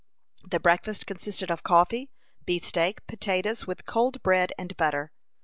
The breakfast consisted of coffee, beefsteak, potatoes, with cold bread and butter.